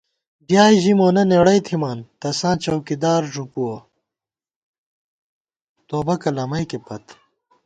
ڈیائے ژِی مونہ نېڑئی تھِمان ، تساں چوکیدار ݫُوپُوَہ توبَکہ لمئېکے پت